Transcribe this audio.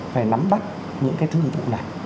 phải nắm bắt những cái thương vụ này